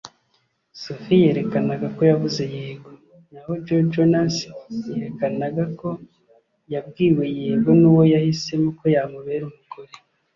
Sophie yerekanaga ko yavuze Yego naho Joe Jonas yerekana ko yabwiwe Yego n’uwo yahisemo ko yamubera umugore